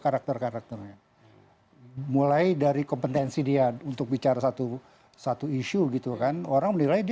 karakter karakternya mulai dari kompetensi dia untuk bicara satu satu isu gitu kan orang menilai dia